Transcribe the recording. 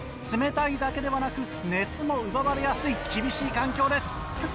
冷たいだけではなく熱も奪われやすい厳しい環境です。